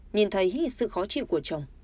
nhìn thấy sự khó chịu của chồng